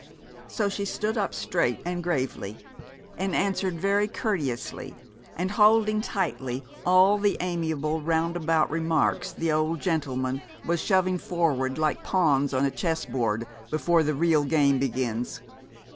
So she stood up straight and gravely, and answered very courteously and holding tightly all the amiable roundabout remarks the old gentleman was shoving forward like pawns on a chessboard before the real game begins.